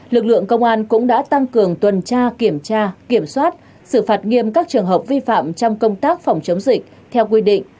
lực lượng công an cũng đã tăng cường tuần tra kiểm tra kiểm soát xử phạt nghiêm các trường hợp vi phạm trong công tác phòng chống dịch theo quy định